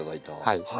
はい。